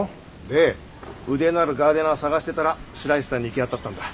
で腕のあるガーデナー探してたら白石さんに行き当たったんだ。